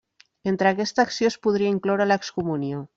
Entre aquesta acció es podria incloure l'excomunió.